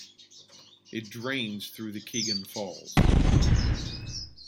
It drains through the Kegon Falls.